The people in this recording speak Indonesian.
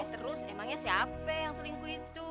emangnya siapa yang selingkuh itu